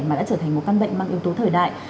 mà đã trở thành một căn bệnh mang yếu tố thời đại